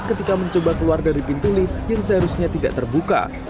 ketika mencoba keluar dari pintu lift yang seharusnya tidak terbuka